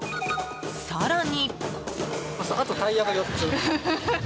更に。